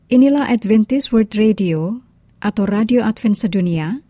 inilah adventist world radio atau radio advent sedunia